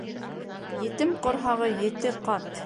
Етем ҡорһағы ете ҡат.